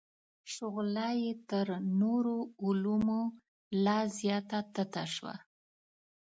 شغله یې تر نورو علومو لا زیاته تته شوه.